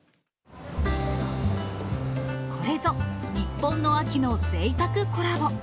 これぞ日本の秋のぜいたくコラボ。